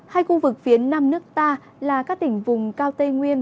hai khu vực phía nam nước ta là các tỉnh vùng cao tây nguyên